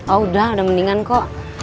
oh udah udah mendingan kok